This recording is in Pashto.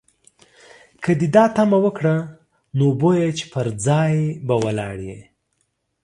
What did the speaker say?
که دې دا تمه وکړه، نو بویه چې پر ځای به ولاړ یې.